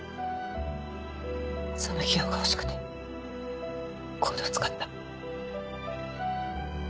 その費用が欲しくてＣＯＤＥを使った。